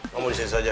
kamu disini saja